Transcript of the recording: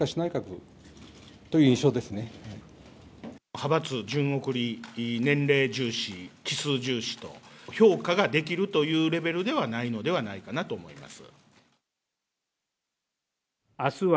派閥順送り、年齢重視期数重視と評価ができるというレベルではないのではないかなと思います。